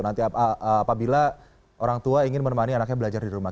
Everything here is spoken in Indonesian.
nanti apabila orang tua ingin menemani anaknya belajar di rumah